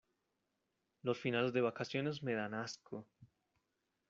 Los finales de vacaciones me dan asco.